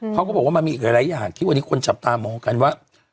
เขาก็บอกว่ามันมีอีกหลายอย่างที่วันนี้คนจับตามองกันว่า